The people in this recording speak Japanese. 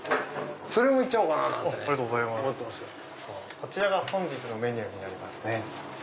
こちらが本日のメニューになります。